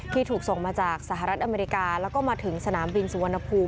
ถูกส่งมาจากสหรัฐอเมริกาแล้วก็มาถึงสนามบินสุวรรณภูมิ